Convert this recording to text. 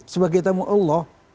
sebagai tamu allah